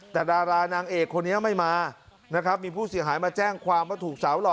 แต่ดารานางเอกคนนี้ไม่มานะครับมีผู้เสียหายมาแจ้งความว่าถูกสาวหล่อ